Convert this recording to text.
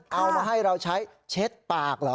เอามาให้เราใช้เช็ดปากเหรอ